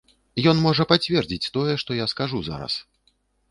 Ён можа пацвердзіць тое, што я скажу зараз.